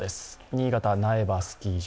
新潟・苗場スキー場。